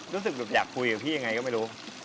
รู้สึกแบบอยากคุยกับพี่ยังไงก็ไม่รู้